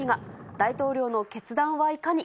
大統領の決断はいかに。